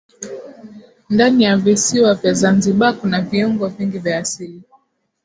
Ndani ya visiwa vya zanzibar kuna viungo vingi vya asili